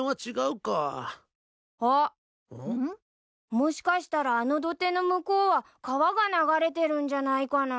もしかしたらあの土手の向こうは川が流れてるんじゃないかな？